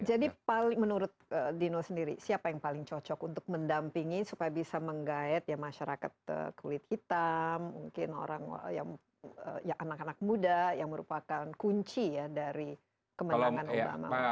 jadi menurut dino sendiri siapa yang paling cocok untuk mendampingi supaya bisa menggait masyarakat kulit hitam mungkin anak anak muda yang merupakan kunci dari kemenangan obama